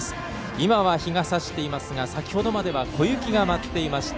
今は晴れていますが先ほどまでは小雪が舞っていました。